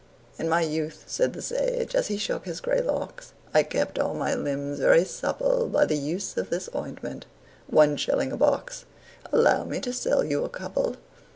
"In my youth," said the sage, as he shook his grey locks, "I kept all my limbs very supple By the use of this ointment one shilling a box Allow me to sell you a couple?"